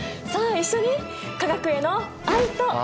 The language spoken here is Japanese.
さあ一緒に化学への愛と。